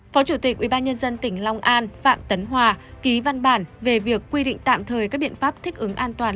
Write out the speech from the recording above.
phó chủ tịch ubnd tỉnh long an phạm tấn hòa ký văn bản về việc quy định tạm thời các biện pháp thích ứng an toàn